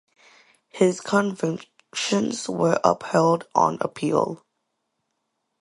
His convictions were upheld on appeal.